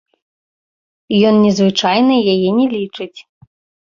Ён незвычайнай яе не лічыць.